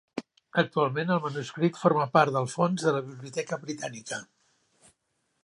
Actualment el manuscrit forma part del fons de la Biblioteca Britànica.